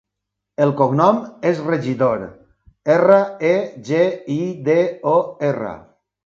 El cognom és Regidor: erra, e, ge, i, de, o, erra.